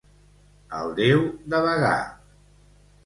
El Déu de Bagà!